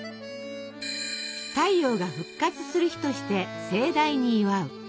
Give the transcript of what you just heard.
「太陽が復活する日」として盛大に祝う。